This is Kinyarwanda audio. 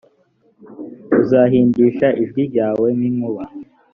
uzahindisha ijwi ryawe nk inkuba